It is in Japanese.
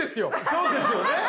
そうですよね。